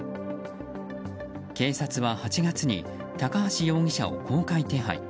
警察は８月に高橋容疑者を公開手配。